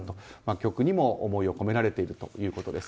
曲にも思いを込められているということです。